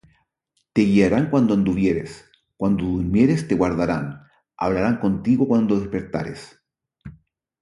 Te guiarán cuando anduvieres; cuando durmieres te guardarán; Hablarán contigo cuando despertares.